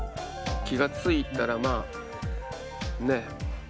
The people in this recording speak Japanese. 気が付いたらまあねえ。